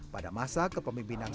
pada masa kepemimpinan